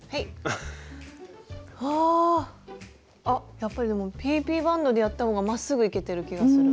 やっぱりでもＰＰバンドでやったほうがまっすぐいけてる気がする。